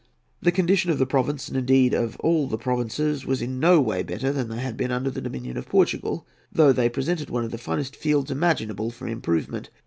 The condition of the province, and indeed of all the provinces, was in no way better than they had been under the dominion of Portugal, though they presented one of the finest fields imaginable for improvement.